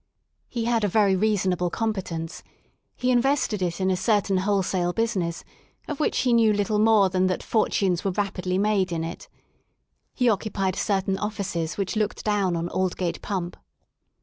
He had a very reasonable competence: he in vested it in a certain wholesale business^ of which he knew little more than that fortunes were rapidly made in it. He occupied certain offices which looked down on Aldgate Pump.